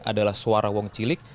adalah suara wong cilik